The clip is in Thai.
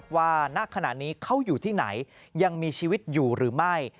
ว่าน่าขณะนี้เขาอยู่ที่ไหนยังมีชีวิตอยู่รึไม่